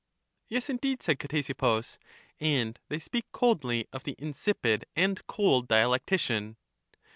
Yes, indeed, said Ctesippus; and they speak coldly of the insipid and cold dialectician.